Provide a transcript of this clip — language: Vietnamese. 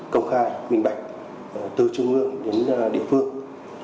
công khai minh bạch từ trung ương đến địa phương